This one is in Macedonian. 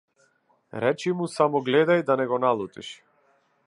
Речи му само гледај да не го налутиш.